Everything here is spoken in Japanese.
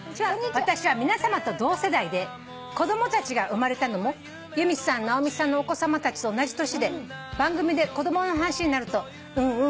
私は皆さまと同世代で子供たちが生まれたのも由美さん直美さんのお子さまたちと同じ年で番組で子供の話になると『うんうん分かる分かる』